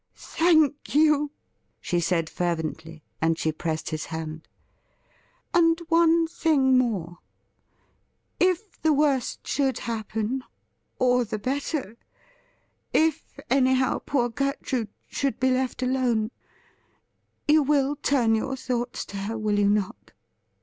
'Thank you,' she said fervently, and she pressed his hand. ' And one thing more : If the worst should happen, or the better — if, anyhow, poor Gertrude should be left alone — you will turn your thoughts to her, will you not